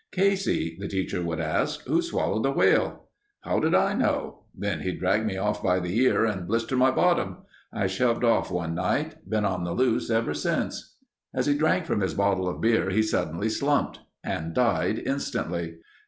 'Casey,' the teacher would ask, 'who swallowed the whale?' How did I know? Then he'd drag me off by the ear and blister my bottom. I shoved off one night. Been on the loose ever since." As he drank from his bottle of beer he suddenly slumped—and died instantly.